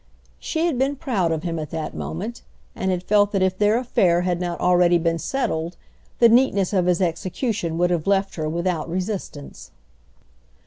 She had been proud of him at that moment, and had felt that if their affair had not already been settled the neatness of his execution would have left her without resistance.